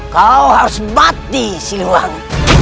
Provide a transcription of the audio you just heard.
kau harus bati siluang